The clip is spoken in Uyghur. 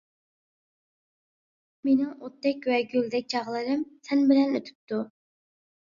مېنىڭ ئوتتەك ۋە گۈلدەك چاغلىرىم سەن بىلەن ئۆتۈپتۇ.